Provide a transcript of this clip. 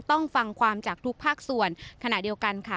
ต้องฟังความจากทุกภาคส่วนขณะเดียวกันค่ะ